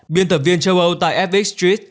biên tập viên châu âu tại fx street